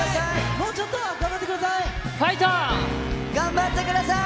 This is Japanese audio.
もうちょっとだから頑張ってください。